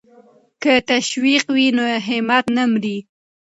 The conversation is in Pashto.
که تشویق وي نو همت نه مري.